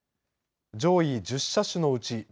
上位１０車種のうち